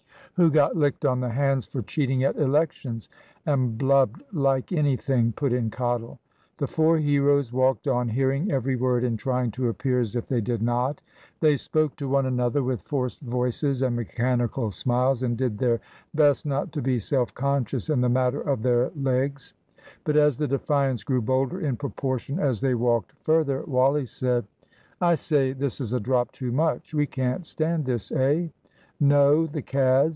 "Who got licked on the hands for cheating at Elections, and blubbed like anything!" put in Cottle. The four heroes walked on, hearing every word and trying to appear as if they did not. They spoke to one another with forced voices and mechanical smiles, and did their best not to be self conscious in the matter of their legs. But as the defiance grew bolder in proportion as they walked further, Wally said "I say, this is a drop too much. We can't stand this, eh?" "No; the cads!"